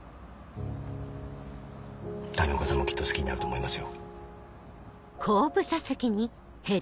谷岡さんもきっと好きになると思いますよ。